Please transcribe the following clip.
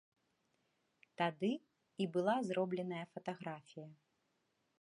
Тады і была зробленая фатаграфія.